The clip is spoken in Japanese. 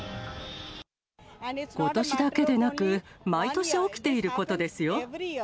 ことしだけでなく、毎年起きていることですよ。